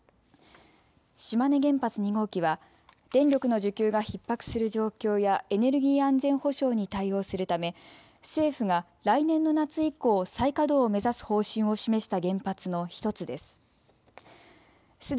島根原発２号機は電力の需給がひっ迫する状況やエネルギー安全保障に対応するため政府が来年の夏以降、再稼働を目指す方針を示した原発の１つです。